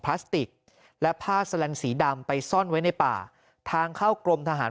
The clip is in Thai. พลาสติกและผ้าแสลันสีดำไปซ่อนไว้ในป่าทางเข้ากรมทหาร